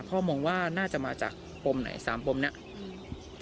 พ่อมองว่าน่าจะมาจากปมไหนสามปมเนี้ยอืม